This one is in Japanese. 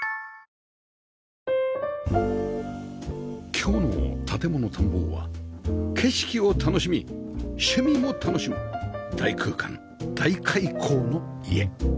今日の『建もの探訪』は景色を楽しみ趣味も楽しむ大空間・大開口の家